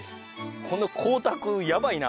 この光沢やばいな。